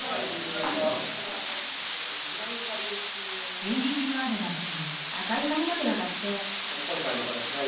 演劇もあるらしい。